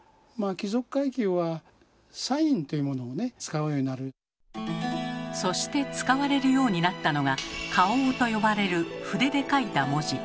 貴族階級はそして使われるようになったのが「花押」と呼ばれる筆で書いた文字。